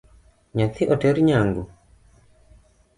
Nyathi oter nyangu?